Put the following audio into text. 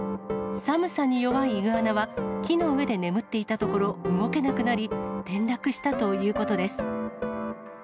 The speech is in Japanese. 寒さに弱いイグアナは木の上で眠っていたところ、動けなくなり、転落したということです。